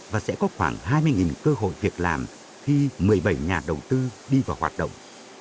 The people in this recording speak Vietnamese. và sẽ có khoảng hai mươi cơ hội việc làm khi một mươi bảy nhà đầu tư đi vào hoạt động